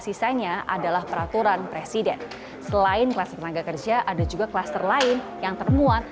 sisanya adalah peraturan presiden selain kluster tenaga kerja ada juga kluster lain yang termuat